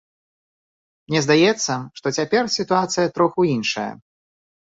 Мне здаецца, што цяпер сітуацыя троху іншая.